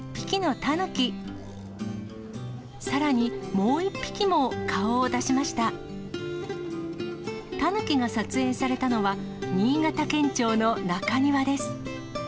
タヌキが撮影されたのは、新潟県庁の中庭です。